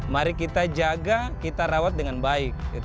mari kita jaga kita rawat dengan baik